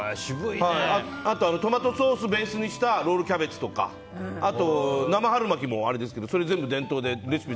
あと、トマトソースベースにしたロールキャベツとかあと、生春巻きもですけどそれ全部、伝統でレシピが。